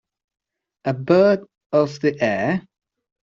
A bird of the air?